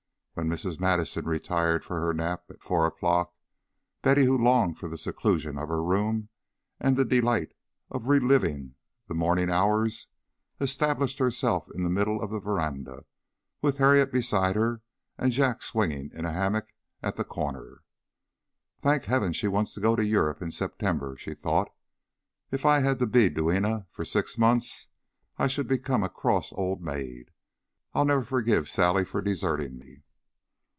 When Mrs. Madison retired for her nap at four o'clock, Betty, who longed for the seclusion of her room and the delight of re living the morning hours, established herself in the middle of the veranda, with Harriet beside her and Jack swinging in a hammock at the corner. "Thank heaven she wants to go to Europe in September," she thought. "If I had to be duenna for six months, I should become a cross old maid. I'll never forgive Sally for deserting me."